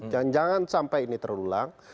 jangan sampai ini terulang